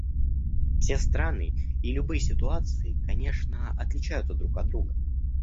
Все страны и любые ситуации, конечно, отличаются друг от друга.